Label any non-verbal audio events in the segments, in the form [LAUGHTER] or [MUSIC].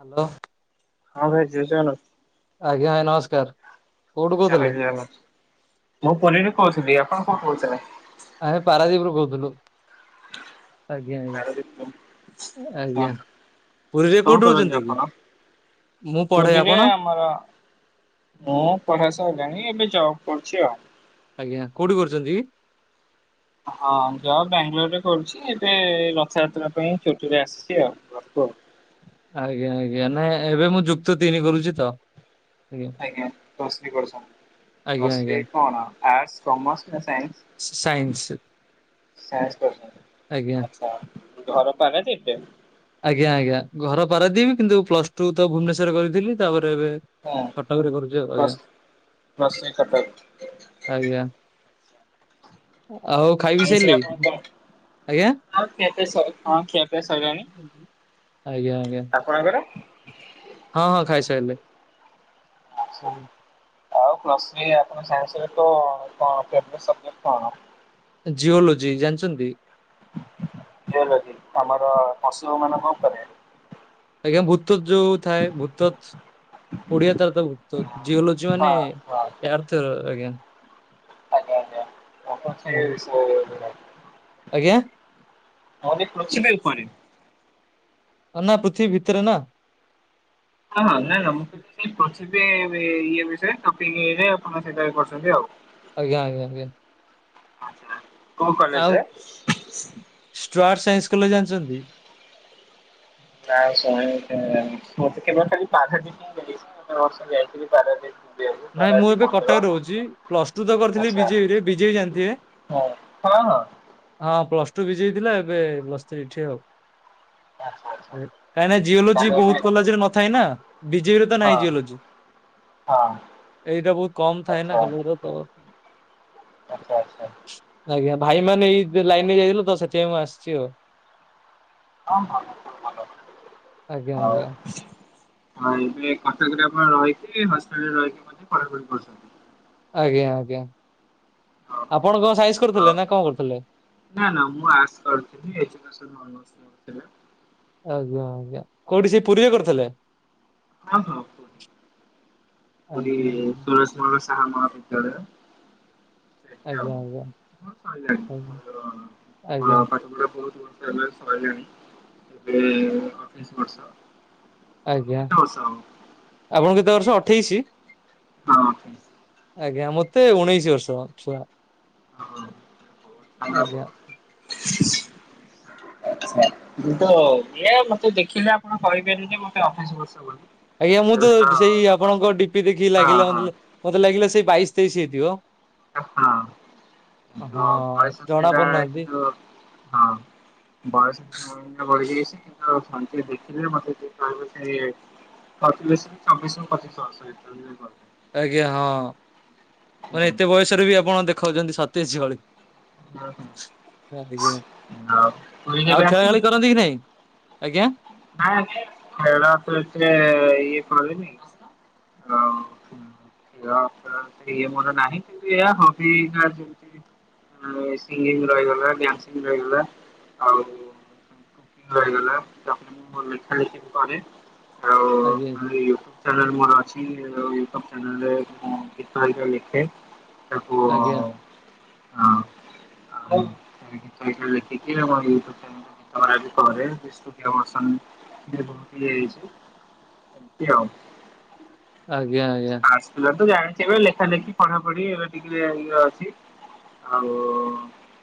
Hello. ହଁ ଭାଇ ଜୟ ଜଗନ୍ନାଥ। ଆଜ୍ଞା ଭାଇ ନମସ୍କାର। କୋଉଠୁ ଜୟ କହୁଥିଲେ ଜଗନ୍ନାଥ ମୁଁ ପୁରୀରୁ କହୁଥିଲି ଆପଣ କୋଉଠୁ କହୁଥିଲେ? ଆମେ ପାରାଦୀପରୁୁ କହୁଥିଲୁ। ହଁ ଆଜ୍ଞା-ଆଜ୍ଞା-ଆଜ୍ଞା ପୁରୀରେ କଣ କୋଉଠି କରନ୍ତି ରହୁଛନ୍ତି କି? ଆପଣ? ମୁଁ ପଢେ ପୁରୀରେ ଆପଣ? ଆମର ମୁଁ ପଢା ସଇଲାଣି ଏବେ ଜବ୍ କରୁଛି ଆଉ। ଆଜ୍ଞା କୋଉଠି କରୁଛନ୍ତି କି? ହଁ, ଜବ୍ ବାଙ୍ଗଲୋର ରେ କରୁଛି ଏବେ ରଥଯାତ୍ରା ପାଇଁ ଛୁଟିରେ ଆସିଛି ଆଉ। କୁହ ଆଜ୍ଞା-ଆଜ୍ଞା ନାଇଁ ଏବେ ମୁଁ ଯୁକ୍ତ ତିନି କରୁଛି ତ। ଆଜ୍ଞା ପ୍ଲସ୍ ଥ୍ରୀ କରୁଛନ୍ତି। ଆଜ୍ଞା ପ୍ଲସ୍ ଥ୍ରୀ ଆଜ୍ଞା କଣ ଆର୍ଟ୍ସ, କମର୍ସ ନା ସାଇନ୍ସ ସାଇନ୍ସ-ସାଇନ୍ସ ଆଜ୍ଞା କରୁଛନ୍ତି। ଆଚ୍ଛା। ଘର ପାରାଦୀପ [UNINTELLIGIBLE] ଆଜ୍ଞା-ଆଜ୍ଞା ଘର ପାରାଦୀପ୍ କିନ୍ତୁ ପ୍ଲସ ଟୁ ତ ଭୁବନେଶ୍ୱର କରିଥିଲି। ତାପରେ ଏବେ ହଁ କଟକରେ କରୁଚି ଆଉ ପ୍ଲସ୍ ଆଜ୍ଞା। ପ୍ଲସ୍ ଥ୍ରୀ କଟ ଆଜ୍ଞା ଆଉ ଖାଇପି ସାଇଲେ, ଆପଣ କଣ ଆଜ୍ଞା। ହଁ ଖିଆପିଆ ସରି ହଁ ଖିଆପିଆ ସରିଲାଣି। ଆଜ୍ଞା-ଆଜ୍ଞା ଆପଣଙ୍କର? ହଁ, ହଁ ଖାଇସାଇଲି। ଆଚ୍ଛା ଆଜ୍ଞା। ଆଉ ପ୍ଲସ ଥ୍ରି ଆପଣ ସାଇନ୍ସରେ ତ କଣ ଫେଭରାଇଟି ସବଜେକ୍ଟ କଣ? ଜିଓଲୋଜି ଜାଣିଛନ୍ତି। ଜିଓଲୋଜି, ଆମର ପଶୁ ମାନଙ୍କ ଉପରେ। ଆଜ୍ଞା ଭୂତ୍ବତ ଯୋଉ ଥାଏ ଭୂତ୍ବତ ଓଡିଆ ତାର ତ ଭୂତ୍ବତ ଜିଓଲୋଜି ମାନେ ହଁ ଆର୍ଥ ଆଜ୍ଞା। ଆଜ୍ଞା-ଆଜ୍ଞା ଆପଣ ସେଇ ସବୁ ଆଜ୍ଞା ହନି [UNINTELLIGIBLE] ଏପରି ଆନା ପୃଥିବୀ ଭିତରେ ନା। ହଁ-ହଁ, ଆଜ୍ଞା। ନା-ନା ମୁଁ [UNINTELLIGIBLE] ଆପଣ ସେଇଟା କରଛନ୍ତି ଆଉ। ଆଜ୍ଞା-ଆଜ୍ଞା-ଆଜ୍ଞା। କୋଉ କଲେଜରେ? ତିର୍ତୋଲ ଜାଣିଛନ୍ତି। ନା ଶୁଣିନି ମୁଁ ତ କେବେଳ ଖାଲି ପାରାଦୀପ ହିଁ ଯାଇଛି କେତେ ବର୍ଷ ଯାଇଥିଲି ପାରାଦୀପ ନାଇଁ ମୁଁ ଏବେ କଟକରେ ରହୁଛି, ପ୍ଲସ ଟୁ ତ କରିଥିଲି ଆଚ୍ଛା ବିଜେବିରେ ବିଜେବି ଜାଣିଥିବେ। ହଁ ହଁ ହଁ। ହଁ, ପ୍ଲସ ଟୁ ବିଜେବିଥିଲା ଏବେ ପ୍ଲସ୍ ଥ୍ରୀ ଏଠି ଆଉ। ଆଚ୍ଛା ଆଚ୍ଛା କାହିଁକିନା ଜିଓଲୋଜି ତାହେଲେ ଏବେ ବହୁତ କଲାଜରେ ନଥାଏ ନା, ବିଜେବିରେ ତ ହଁ ନାହିଁ ଜିଓଲୋଜି। ହଁ। ଏଇଟା ବହୁତ କମ ଥାଏ ନା, କଲେଜରେ ତ ଆଚ୍ଛା-ଆଚ୍ଛା। ଭାଇ ମାନେ ଏଇ ଲାଇନ ରେ ଯାଇଥିଲେ ତ ସେଥିପାଇଁ ମୁଁ ଆସିଛି ଆଉ। ହଁ-ହଁ ଭଲ ଆଜ୍ଞା ହଉ। ଆଜ୍ଞା। ହଁ ଏବେ କଟକରେ ଆପଣ ରହିକି, ହଷ୍ଟେଲରେ ରହିକି ମଧ୍ୟ ପଢାପଢି କରୁଛନ୍ତି। ଆଜ୍ଞା! ଆଜ୍ଞା! ହଁ ଆପଣ କଣ ସାଇନ୍ସ ହଁ କରୁଥିଲେ ନା, କଣ କରୁଥିଲେ? ନା, ନା ମୁଁ ଆର୍ଟ୍ସ କରୁଥିଲି। ଏଜୁକେଶନ ଅନର୍ସ ମୋର ଥିଲା। ଆଜ୍ଞା! ଆଜ୍ଞା! କୋଉଠି ସେଇ ପୁରୀରେ କରିଥିଲେ? ହଁ, ହଁ ପୁରୀ। ପୁରୀ ଆଜ୍ଞା ସୁରଜ ଶାହା ମହାବିଦ୍ୟାଳୟ। ସେଠି ଆଉ ଆଜ୍ଞା ଆଜ୍ଞା ମୋ ସଇଲାଣି ଆଜ୍ଞା ଆଜ୍ଞା ପାଠ ପଢ଼ା [UNINTELLIGIBLE] କେବେଠୁ ସଇଲାଣି, ଏବେ ଅଠେଇଶ ବର୍ଷ। ତମକୁ ଆଜ୍ଞା! କେତେ ବର୍ଷ ହବ? ଆପଣଙ୍କୁ କେତେ ବର୍ଷ ଅଠେଇଶି? ହଁ ଅଠେଇଶ। ଆଜ୍ଞା! ମତେ ଉଣେଇଶି ବର୍ଷ ଛୁଆ। [INAUDIBLE] ଆଚ୍ଛା ଆଜ୍ଞା ମୁଁ ତ ଇଏ ମତେ ଦେଖିଲେ ଆପଣ କହି ପାରିବେନି ଯେ ମତେ ଅଠେଇଶ ବର୍ଷ ବୋଲି। ଆଜ୍ଞା! ମୁଁ ହଁ ତ ସେଇ ଆପଣଙ୍କ ଡିପି ଦେଖି ଲାଗିଲା ହଁ ମତେ ଲାଗିଲା ସେଇ ବାଇଶ ତେଇଶ ହେଇଥିବ। ହଁ କି ହଁ ବୟସ ଜଣା ସେଇଟା ପଡୁନାହାନ୍ତି କିନ୍ତୁ ହଁ। ବୟସ ଟିକେ ମୋର ବଢ଼ି ଯାଇଛି କିନ୍ତୁ ମତେ ଦେଖିଲେ ମତେ କିଏ କହିବ ଯେ ଅତି ବେଶୀରେ ଚବିଶ ରୁ ପଚିଶ ବର୍ଷ ହେଇଥିବ ଇଏ କଲେ। ଆଜ୍ଞା! ହଁ, ମାନେ ହୁଁ ଏତେ ବୟସରେ ବି ଆପଣ ଦେଖାଉଛନ୍ତି ସତେଇଶି ଭଳି। ଆଉ ପୁରୀ ଆଉ କେବେ ଖେଳା ଖେଳି କରନ୍ତି କି ନାଇଁ? ଆଜ୍ଞା ହଁ ଖେଳକୁ ଏତେ ଇଏ କରିନି। ଆଉ ଖେଳ ଫେଳ ଇଏ ମୋର ନାହିଁ କିନ୍ତୁ ଏହା ହବି ହେକା ଯେମତି ଏ ସିଙ୍ଗିଙ୍ଗ ରହିଗଲା ଡ୍ୟାନ୍ସିଂ ରହିଗଲା, ଆଉ [UNINTELLIGIBLE] ଭଲି ଖେଳିକି [UNINTELLIGIBLE] ଆଉ ଆଜ୍ଞା ଖାଲି ୟୁଟ୍ୟୁବ ଚ୍ୟାନେଲ ମୋର ଅଛି ଆଉ ସବ୍ ଚ୍ୟାନେଲରେ ମୁଁ ଗୀତ ହେଇକା ଲେଖେ ତାକୁ ଅ ଆଜ୍ଞା ହଁ ଆଉ ଗୀତ ହେଇକା ଲେଖିକି ଆମର ୟୁଟ୍ୟୁବ ଚ୍ୟାନେଲରେ ଗୀତ ଗୁଡା ପରେ [UNINTELLIGIBLE] ହେଇ ଯାଇଛି। ଏମତି ଆଉ। ଆଜ୍ଞା! ଆଜ୍ଞା! ଆର୍ଟସ ପିଲା ତ ଜାଣିଚି ଏବେ ଲେଖା ଲେଖି ପଢାପଢି ଏବେ ଟିକେ ଇଏ ଅଛି। ଆଉ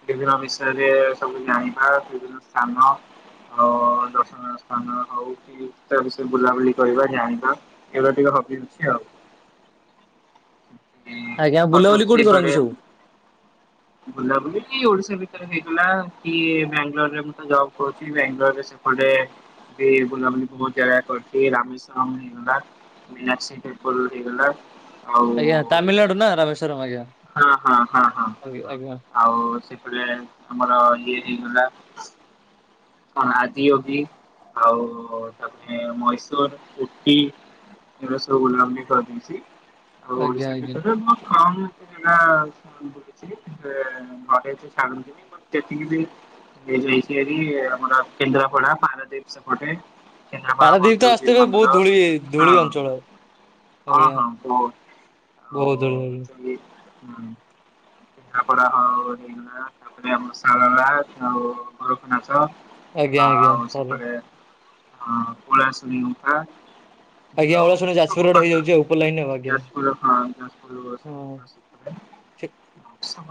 ବିଭିନ୍ନ ବିଷୟରେ ସବୁ ଜାଣିବା, ବିଭିନ୍ନ ସ୍ଥାନ ଆଉ ଦର୍ଶନୀୟ ସ୍ଥାନ ହଉ କି ତା ବିଷୟରେ ବୁଲାବୁଲି କରିବା ଜାଣିବା ଏବେ ଟିକେ ହବି ଅଛି ଆଉ [UNINTELLIGIBLE] ଆଜ୍ଞା ବୁଲାବୁଲି କୋଉଠି କରନ୍ତି ସବୁ? ବୁଲାବୁଲି କି ଓଡିଶା ଭିତରେ ହେଇଗଲା କି ବ୍ୟାଙ୍ଗାଲୋରରେ ମୁଁ ତ ଜବ କରୁଚି ବ୍ୟାଙ୍ଗାଲୋରରେ ସ [UNINTELLIGIBLE] ଏମତି ବୁଲାବୁଲି ବହୁତ ଜାଗା କରଚି ରାମେଶ୍ୱରମ୍ ହେଇଗଲା। ମିନାକ୍ଷୀ ଟେମ୍ପୂଲ୍ ହେଇଗଲା। ଆଜ୍ଞା ଆଉ ତାମିଲନାଡୁ ନା ରାମେଶ୍ଵରମ ଆଜ୍ଞା। ହଁ, ହଁ, ହଁ, ହଁ ଆଜ୍ଞା ଆଜ୍ଞା ଆଉ ସେପଟେ ଆମର ଇଏ ହେଇଗଲା। କଣ ଆଜିଓବ ଆଉ ତାପରେ ମଇଶୂର, ଉଟି। ରସ ଗୁଲାମ ବି ଖାଉଛନ୍ତି ଆଉ ଆଜ୍ଞା। ସେ ଆଜ୍ଞା। ଭିତରେ ମୋର କାମ [UNINTELLIGIBLE] ଘରେ ଅଛି ସାନ ଦିଦି [UNINTELLIGIBLE] ସେ ଯାଇଛି ହେରି ଆମର କେନ୍ଦ୍ରାପଡା ପାରାଦ୍ୱୀପ ସେପଟେ। କେନ୍ଦ୍ରାପଡ଼ା ପାରାଦୀପ ତ ବଳଦେବଜୀଉ ଆସିଥିବେ ବହୁତ ମନ୍ଦିର ଧୂଳି ଧୂଳି ହଁ। ଅଞ୍ଚଳ ହଁ ଆଜ୍ଞା ହଁ ବହୁତ୍ ବହୁତ ଆଉ ଧୂଳି ଆଜ୍ଞା ସେମି ଉଁ। କେନ୍ଦ୍ରାପଡ଼ା ହଉ ହେଇଗଲା ତାପରେ ଆମ ଶାରଳା ଆଉ ଗୋରେଖନାଥ। ଆଜ୍ଞା! ଆଜ୍ଞା! ପରେ। [UNINTELLIGIBLE] ଆଜ୍ଞା ଆଉ ଓ ଶୁଣ ସବୁ ଯାଜପୁର ରୋଡ଼ ହେଇଯାଉଛି ଉପର ଲାଇନ ଆଜ୍ଞା ଯାଜପୁର ହଁ ଯାଜପୁର ହଁ। ିକ [UNINTELLIGIBLE]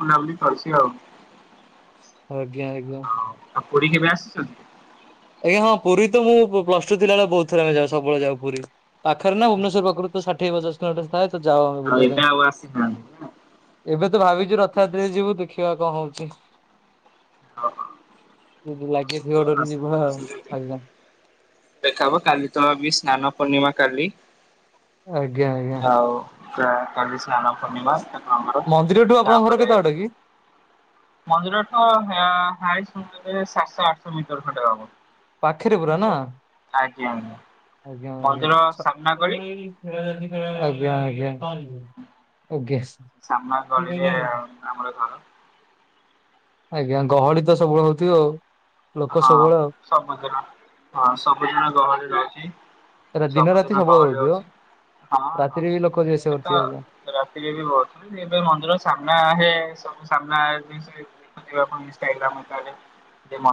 କରୁଚି ଆଉ। ଆଜ୍ଞା ଆଜ୍ଞା। ହଉ ଆଉ ପୁରୀ କେବେ ଆସିଛନ୍ତି? ଆଜ୍ଞା ହଁ ପୁରୀ ତ ମୁଁ ପ୍ଲସ ଟୁ ଥିଲାବେଳେ ବହୁତ ଥର ଆମେ ଯାଉଁ ସବୁବେଳେ ଯାଉ ପୁରୀ। ପାଖର ନା ଭୁବନେଶ୍ୱର ପାଖରୁ ତ ଷାଠିଏ [UNINTELLIGIBLE] ଆମେ ଯାଉ ଆଉ ବୁଲିବା ଏବେ ଆଉ ଆସିନାହାନ୍ତି। ପାଇଁ ଏବେ ତ ଭାବିଛୁ ରଥଯାତ୍ରା ଯିବୁ ଦେଖି ଦେଖିବା କଣ ହଉଚି। ହଁ। ଯଦି ଲାଗିଥିବ ଡୋରି ଯିବା ଆଉ। ଆଜ୍ଞା ଦେଖାହବ କାଲି ତ ସ୍ନାନ ପୂର୍ଣ୍ଣିମା କାଲି। ଆଜ୍ଞା ଆଜ୍ଞା। ଆଉ କାଲି ସ୍ନାନ ପୂର୍ଣ୍ଣିମା ସ୍ନାନହବ ମନ୍ଦିରଠୁ ଆପଣଙ୍କ ଘର ତାପରେ କେତେ ବାଟ କି? ମନ୍ଦିରଠୁ ସାତଶ ଆଠଶ ମିଟର ଖଣ୍ଡେ ହବ। ପାଖରେ ପୁରା ନା? ଆଜ୍ଞା। ଆଜ୍ଞା ଆଜ୍ଞା ମନ୍ଦିର ଆଜ୍ଞା। ସାମ୍ନା ଗଳି [UNINTELLIGIBLE] ସାମ୍ନା ଗଳିରେ ଆମର ଘର ଆଜ୍ଞା ଗହଳି ତ ସବୁବେଳେ ହଉଥିବ ଆଉ ଲୋକ ସବୁବେଳେ ଆଉ। ମ ହଁ ସବୁଦିନ ଗହଳି ରହୁଛି। ଏରା ଦିନ ରାତି ସବୁଦିନ ସବୁବେଳେ ଗହଳି ହଉଥିବ। ରହୁଛି। ହଁ ହଁ। ରାତିରେ ବି ଲୋକ ଯିବା ଆସିବା ଏବେ ତ କରୁଥିବେ ଆଜ୍ଞା ରାତିରେ ବି ବହୁଥିଲ ଏବେ ମନ୍ଦିର ସାମ୍ନା ରେ ସାମ୍ନାରେ ଦେଖୁଥିବେ ଇନଷ୍ଟାଗ୍ରାମ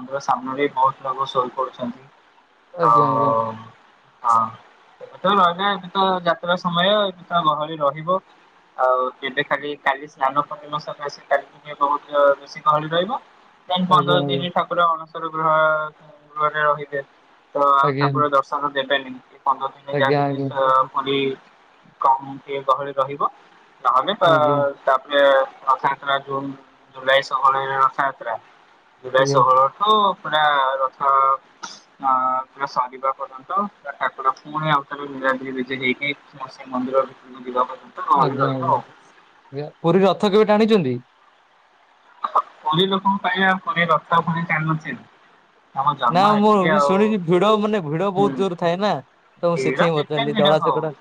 ସାମ୍ନାରେ ବି ବହୁତ ଲୋକ ଶୋଇ ପଡୁଛନ୍ତି ଆଜ୍ଞା ଆଜ୍ଞା ଆ ଏ କଥା ରହିଲା ଏବେ ତ ଯାତ୍ରା ସମୟ ଏବେ ତା ଗହଳି ରହିବ। ଆଉ ଯବେ ଖାଲି କାଲି ସ୍ନାନ ପୂର୍ଣ୍ଣିମା ସମ ଆସ କାଲି ବହୁତ ବେଶି ଗହଳି ରହିବ। ପନ୍ଦର ଦିନ ଠାକୁର ଅଣସର ଗୃହ ଗୃହରେ ରହିବେ। ତ ଆଉ ଆଜ୍ଞା ଠାକୁର ଦର୍ଶନ ଦେବେନି ପନ୍ଦର ଦିନ ଯାହାକ ଆଜ୍ଞା ଆଜ୍ଞା ଆଜ୍ଞା। କି କଣ ଟିକେ ଗହଳି ରହିବ ନହେଲେ ବା ଆଜ୍ଞା ତାପରେ ରଥଯାତ୍ରା ଜୁନ ଜୁଲାଇ ଷୋହଳରେ ରଥଯାତ୍ରା। ଜୁଲାଇ ଆଜ୍ଞା। ଷୋହଳଠୁ ପୁରା ରଥ ଅ ପୁରା ସରିବା ପର୍ଜନ୍ତ ପୁରା ଠାକୁର ପୁରା ପୁଣି ଆଉ ତାର ନୀଳାନ୍ଦ୍ରି ବିଜେ ହେଇକି ଶ୍ରୀମନ୍ଦିର ଭିତରକୁ ଯିବା ପର୍ଯ୍ୟନ୍ତ। ଗହଳି ଆଜ୍ଞା ରହିବ ଆଉ। ପୁରୀ ରଥ କେବେ ଟାଣିଛନ୍ତି? ହଁ ପୁରୀ ଲୋକଙ୍କ ପାଇଁ ରଥ ଆଉ ପୁଣି ଟାଣିନଥିବି ନା। ନା ମୁଁ ଶୁଣିଛି ଭିଡ ମାନେ ଭିଡ ହୁଁ ବହୁତ ଜୋର ଥାଏ ନା। ତ ଭିଡ ସେଥି ପାଇଁ ପଚାରିଲି ଭିଡ ଦଳା ହଉ ଚକଡା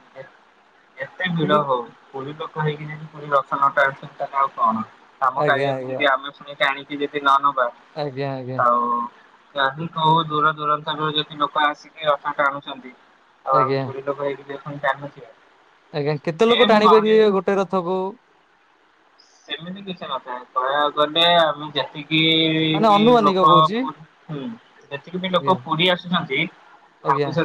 ଯେତେ ଭିଡ ହଉ ପୁରୀ ଲୋକ ହେଇକିନା ପୁରୀ ରଥ ନଟାଣି ଆଉ କଣ ଆମ ଆଜ୍ଞା କଳିଆକୁ ଆଜ୍ଞା ଯଦି ଆମେ ପୁଣି ଟାଣିକି ଯଦି ନ ନବୁ ବା ଆଜ୍ଞା ଆଜ୍ଞା ଆଉ। ଚା କୋଉଁ ଦୂର ଦୂରାନ୍ତ ଯଦି ଲୋକ ଆସିକି ରଥ ଟାଣୁଛନ୍ତି। ଆଉ ଆମେ ଆଜ୍ଞା ପୁରୀଲୋକ ହେଇକି ଟାଣି ନଥିବା। ଆଜ୍ଞା କେତେ ଲୋକ ଟାଣିିପାରିବେ ଗୋଟେ ରଥକୁ? ସେମିତି କିଛି ନଥାଏ କହିବା ଗଲେ ଆମେ ଯେତିକି ମାନେ କି ଅନୁମାନିକ ଲୋକ କହୁଛି ହୁଁ ଯେତିକି ବି ଲୋକ ପୁରୀ ଆସୁଛନ୍ତି ଆଜ୍ଞା ଲାଗୁ ସୁ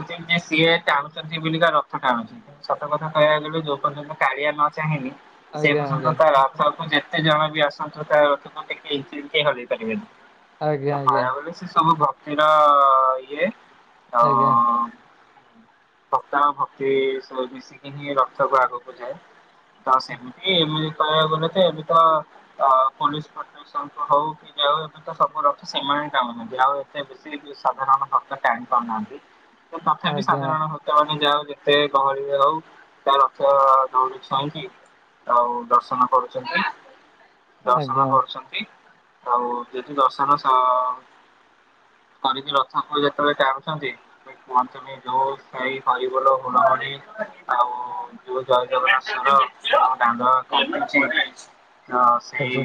ସିଏ ଟାଣୁଛନ୍ତି ବିକା ରଥ ଟାଣୁଛନ୍ତି କିନ୍ତୁ ସତ କଥା କହକୁ ଗେଲେ ଯୋଉ ପର୍ଯ୍ୟନ୍ତ କାଳିଆ ନ ଚାହିଁନି ଆଜ୍ଞା ଆଜ୍ଞା। କେତେ ଜଣ ବି ଆସନ୍ତୁ ତା ରଥକୁ ଟିକେ ଇଞ୍ଚେ ବି ହଲେଇ ପାରିବେନି। ତା ଆଜ୍ଞା ପାଇବା ବଳେ ସେ ସବୁ ଭକ୍ତିର ଇଏ ହଁ। ଆଜ୍ଞା ଆଜ୍ଞା ଭକ୍ତର ଭକ୍ତି ମିଶିକି ହିଁ ରଥକୁ ଆଗକୁ ଯାଏ। ତ ସେମିତି ଏମତି କହିବାକୁ ଗଲେ ଏବେ ତ ଅ ପୋଲିସ ପ୍ରଶାସନ ହଉ କି ଯାଉ ଏବେ ତ ସବୁ ରଥ ସେମାନେ ଟାଣୁଛନ୍ତି। ଯଉ ଏେ ବେଶ ସାଧାରଣ ଭକ୍ତ ଟାଣି ପାରୁନାହାନ୍ତି। ତଥାପି ଆଜ୍ଞା ସାଧାରଣ ଭକ୍ତମାନେ ଯାାଉ ଏତେ ଗହଳି ହଉ ତା ରଥ ଦଉଡି ଛୁଇଁକି ଆଉ ଦର୍ଶନ କରୁଛନ୍ତି ଦର୍ଶନ ଆଜ୍ଞା କରୁଛନ୍ତି। ଆଉ ଯେତିି ଅସାନ ସା କରିିକି ରଥକୁ ଯେତେବେଳେ ଚାହୁଁଛନ୍ତି କହି ଯୋଉ ସେଇ [UNINTELLIGIBLE] ହିବଲ ହୁଳା ହଳି ଆଉ [UNINTELLIGIBLE] ଯୋଉ ଜୟ ଜଗନ୍ନାଥର ସୁର [UNINTELLIGIBLE] ଦାଣ୍ଡ ହଁ ସେଇ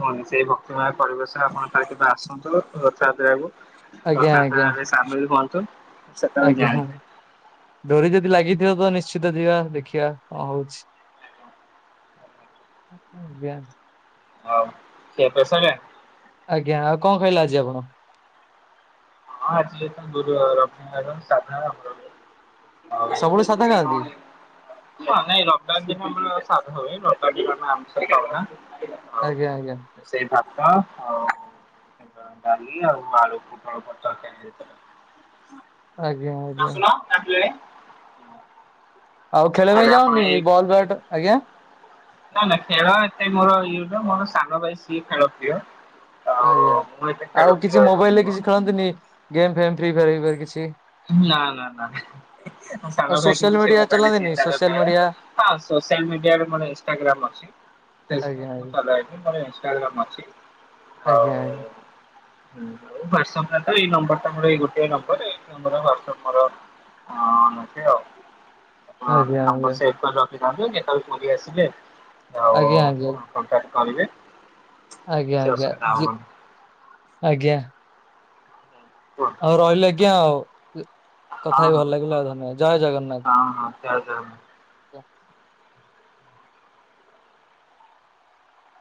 ହ ସେଇ ଭକ୍ତିମୟ ପରିବେଶ ଆପଣ ତା କେବେ ଆସନ୍ତୁ ରଥ ଯାତ୍ରାକୁ ଆଜ୍ଞା ଆଜ୍ଞା ଆଜ୍ଞା ରଥଯାତ୍ରାରେ ସାମିଲ ହୁହନ୍ତୁ ଆଜ୍ଞା ଦୋରି ଯଦି ଲାଗିଛି ତ ନିଶ୍ଚିତ ଯିବା ଦେଖିବା କଣ ହଉଛି? [UNINTELLIGIBLE] ହ ସେ [UNINTELLIGIBLE] ପ୍ରସାଦ ଆଜ୍ଞା ଆଉ କଣ କହିଲା ଆଜି ଆପଣ? ହଁ ଆଜି ଏତ ଗୁରୁବାର ଖାଇବା ସାଧା ଆମର [UNINTELLIGIBLE] ସବୁବେଳେ ସାଧା ଖାଆନ୍ତି ଉ ହ ନାଇଁ ଲକଡାଉନ ଆମର [UNINTELLIGIBLE] [UNINTELLIGIBLE] ହ ନ ଆମଷନା ଆଉ ଆଜ୍ଞା ଆଜ୍ଞା ସେଇ ଭାବ [UNINTELLIGIBLE] ଆଉ ଡାଲି ଆଉ ଆଳୁ ପୋଟଳ ତରକାରି ହେଇଥିଲା। ଆଜ୍ଞା ଆଜ୍ଞା ଆସୁନ ଆସିଲାଣି। ଆଉ ଖେଳିବା ପାଇଁ ଯାଉନି ବଲ୍ ବ୍ୟାଟ୍ ଆଜ୍ଞା ନା ନା ଖେଳ ଏତେ ମୋର ଇଏଟ ମୋର ସାନ ଭାଇ ସିଏ ଖେଳ ପ୍ରିୟ ଆଉ ଆଜ୍ଞା ମୁଁ ଏତେ ଖେଳ ଆଉ ପ୍ରିୟ କିଛି ଏତେ ମୋବାଇଲରେ ନୁହଁ। କିଛି ଖେଳନ୍ତିନି ଗେମ ଫେମ୍ ଫ୍ରି ଫାୟାର୍ [UNINTELLIGIBLE] ହେଇ କିଛି ନା ନା ନା ଆଉ ସାଲ ଭାଇ କି ସୋସିଆଲ ତୁ ମିଡିଆ ମୋବାଇଲରେ ସେ ଚଲାନ୍ତିନି ତାର ସୋସିଆଲ ଖେଳେ ମିଡିଆ ହଁ ସୋସିଆଲ ମିଡିଆରେ ମାନେ ଇନ୍ଷ୍ଟଟାଗ୍ରାମ୍ ଅଛି ଆଜ୍ଞା ଫେସବୁକ୍ ଆଜ୍ଞା [UNINTELLIGIBLE] [UNINTELLIGIBLE] ଅଛି ଆଉ ଆଜ୍ଞା ଆଜ୍ଞା ହଉ ୱାଟ୍ସଆପ୍ ଏଇ ନମ୍ବର ତୋର ଏଇ ଗୋଟେ ନମ୍ବର ଏ [UNINTELLIGIBLE] ୱାଟ୍ସଅଆପ୍ ମୋର ଅଛି ଆଜ୍ଞା ଆଜ୍ଞା ନମ୍ବର ସେଭ୍ ରଖିଛି। [UNINTELLIGIBLE] କେତଵେଳେ ପୁରୀ ଆସିଲେ ଆଜ୍ଞା ଆଞା। କହିବେ ଆଜ୍ଞା ଆଜ୍ଞା [UNINTELLIGIBLE] ଆଜ୍ଞା। କୁହନ୍ତୁ ଆଉ ରହିଲି ଆଜ୍ଞା ଆଉ ହଁ କଥା ହେଇ ହଁ ଭଲ ଲାଗିଲା ଧନ୍ୟବାଦ୍ ଜୟ ଜଗନ୍ନାଥ। ହଁ ହଁ ଜୟ ଜଗନ୍ନାଥ। [INAUDIBLE]